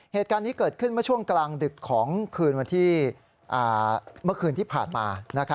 เหตุการณ์นี้เกิดขึ้นเมื่อช่วงกลางดึกของคืนวันที่เมื่อคืนที่ผ่านมา